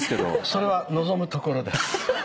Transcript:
それは望むところです。